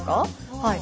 はい。